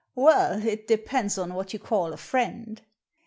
"Well, it depends on what you call a friend."